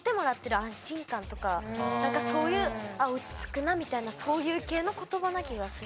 なんかそういう「落ち着くな」みたいなそういう系の言葉な気がする。